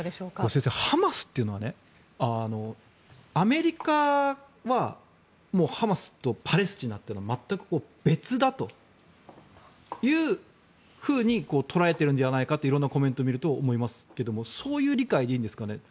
先生、ハマスというのはアメリカはもうハマスとパレスチナというのは全く別だというふうに捉えてるのではないかと思われますがそういう理解でいいんですかね。